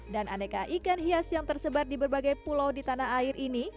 dan aneka ikan hias yang tersebar di berbagai pulau di tanah air ini